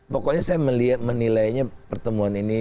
pokoknya saya menilainya pertemuan ini